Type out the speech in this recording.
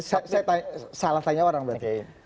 saya salah tanya orang berarti